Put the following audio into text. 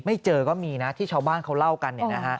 เจอก็มีนะที่ชาวบ้านเขาเล่ากัน